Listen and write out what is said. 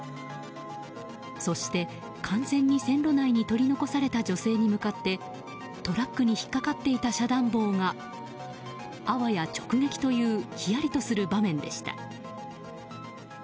そして、完全に線路内に取り残された女性に向かって、トラックに引っかかっていた遮断棒があわや直撃というひやりとする場面でした。